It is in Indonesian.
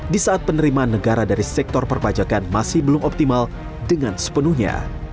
di saat penerimaan negara dari sektor perpajakan masih belum optimal dengan sepenuhnya